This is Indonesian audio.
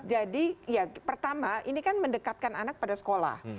jadi ya pertama ini kan mendekatkan anak pada sekolah